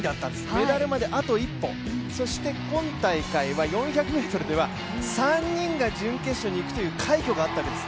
メダルまであと一歩そして今大会は４００ｍでは３人が準決勝に行くという快挙があったんです。